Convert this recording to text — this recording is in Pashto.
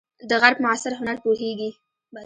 د غرب معاصر هنر پوهیږئ؟